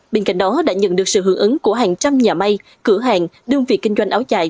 bên cạnh đó đã nhận được sự hưởng ứng của hàng trăm nhà may cửa hàng đơn vị kinh doanh áo dài